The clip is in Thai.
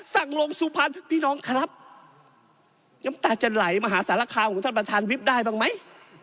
สั่งลงสุพรรณพี่น้องครับน้ำตาจะไหลมหาสารคามของท่านประธานวิบได้บ้างไหม